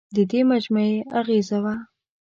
دې مجموعې اغېزه وه.